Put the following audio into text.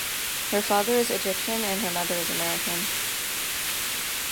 Her father is Egyptian and her mother is American.